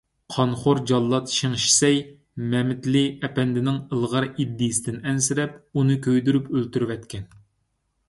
قانخور جاللات شېڭ شىسەي مەمتىلى ئەپەندىنىڭ ئىلغار ئىدىيىسىدىن ئەنسىرەپ، ئۇنى كۆيدۈرۈپ ئۆلتۈرۈۋەتكەن.